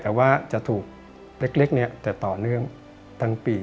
แต่ว่าจะถูกเล็กแต่ต่อเนื่องทั้งปี